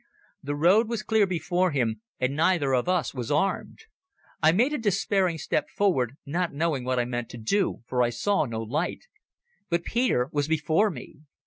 The road was clear before him, and neither of us was armed. I made a despairing step forward, not knowing what I meant to do, for I saw no light. But Peter was before me.